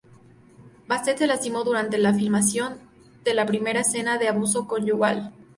Basset se lastimó durante la filmación de la primera escena de abuso conyugal.